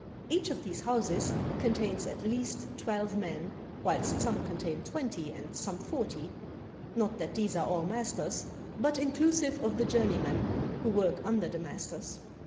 Each of these houses contains at least twelve men, whilst some contain twenty and some forty, — not that these are all masters, but inclusive of the journeymen who work under the masters.